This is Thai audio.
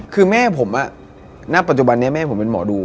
กุมารทอง